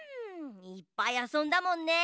いっぱいあそんだもんね。